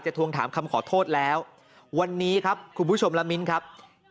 จะทวงถามคำขอโทษแล้ววันนี้ครับ